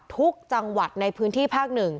ทุกจังหวัดในพื้นที่ภาค๑